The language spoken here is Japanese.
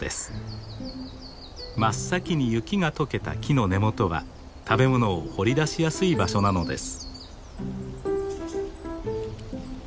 真っ先に雪が解けた木の根元は食べ物を掘り出しやすい場所なのです。